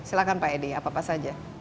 silahkan pak edi apa apa saja